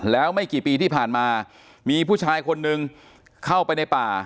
แล้วไม่กี่ปีที่ผ่านมามีผู้ชายคนนึงเข้าไปในป่า